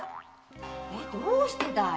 どうしてだい？